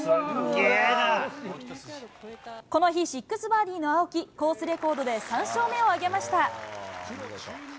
この日、６バーディーの青木、コースレコードで３勝目を挙げました。